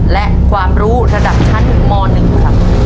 และความรู้ระดับชั้นม๑ครับ